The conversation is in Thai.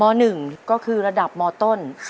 ๑ก็คือระดับมต้น